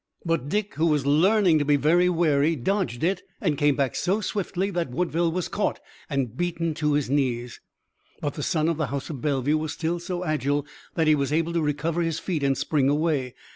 But Dick, who was learning to be very wary, dodged it and came back so swiftly that Woodville was caught and beaten to his knees. But the son of the house of Bellevue was still so agile that he was able to recover his feet and spring away.